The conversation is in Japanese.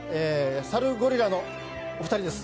サルゴリラのお二人です。